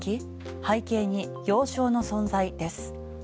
背景に要衝の存在です。